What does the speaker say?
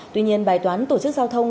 tuy nhiên bài toán tổ chức giao thông